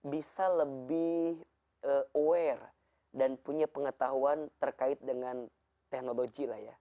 bisa lebih aware dan punya pengetahuan terkait dengan teknologi lah ya